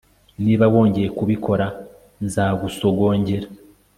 Niba wongeye kubikora nzagusogongera